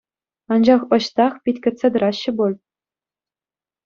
Анчах ӑҫтах пит кӗтсе тӑраҫҫӗ пуль?